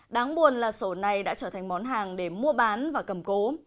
đáng buồn là sổ này đã trở thành món hàng để mua bán và cầm cố